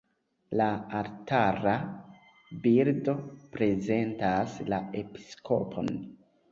La altara bildo prezentas la episkopon.